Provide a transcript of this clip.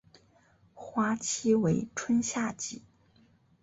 花期为春夏季。